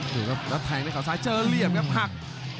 คุณผู้ชมครับ